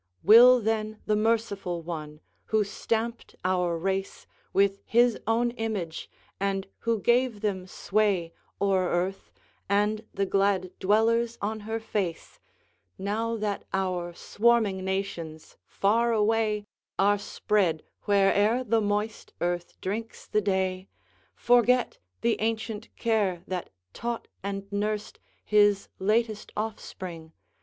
VII. Will then the merciful One, who stamped our race With his own image, and who gave them sway O'er earth, and the glad dwellers on her face, Now that our swarming nations far away Are spread, where'er the moist earth drinks the day, Forget the ancient care that taught and nursed His latest offspring?